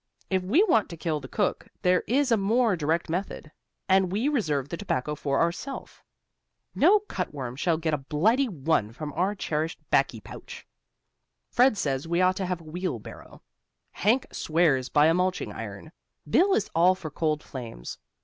If we want to kill the cook there is a more direct method, and we reserve the tobacco for ourself. No cutworm shall get a blighty one from our cherished baccy pouch. Fred says we ought to have a wheel barrow; Hank swears by a mulching iron; Bill is all for cold frames.